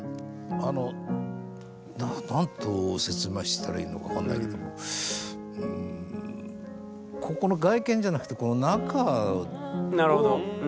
あの何と説明したらいいのか分かんないけどもここの外見じゃなくてへえ。